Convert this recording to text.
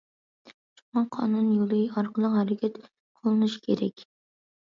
شۇڭا قانۇن يولى ئارقىلىق ھەرىكەت قوللىنىش كېرەك.